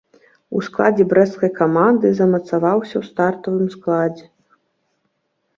У складзе брэсцкай каманды замацаваўся ў стартавым складзе.